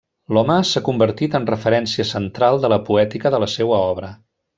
L'home s'ha convertit en referència central de la poètica de la seua obra.